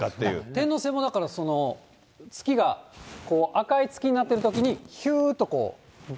天王星もだから、月が赤い月になってるときに、ひゅーっと。